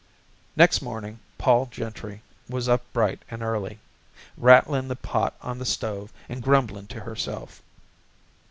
Next morning Pol Gentry was up bright and early, rattling the pot on the stove and grumbling to herself.